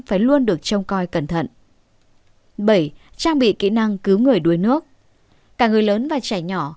phải luôn được trông coi cẩn thận trang bị kỹ năng cứu người đuối nước cả người lớn và trẻ nhỏ